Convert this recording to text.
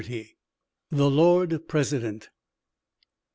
The Lord President.